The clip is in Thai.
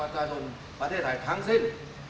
บัททศาสนประเทศไทยทั้งสิ้น